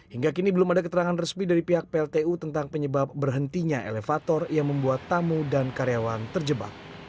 hingga kini belum ada keterangan resmi dari pihak pltu tentang penyebab berhentinya elevator yang membuat tamu dan karyawan terjebak